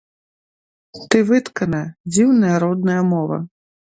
Ты выткана, дзіўная родная мова.